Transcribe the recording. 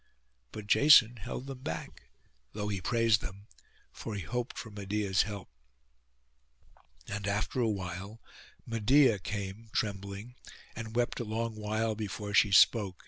But Jason held them back, though he praised them; for he hoped for Medeia's help. And after awhile Medeia came trembling, and wept a long while before she spoke.